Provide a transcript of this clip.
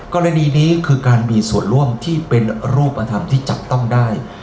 กรณีนี้คือการมีส่วนร่วมที่เป็นรูปธรรมที่จับต้องได้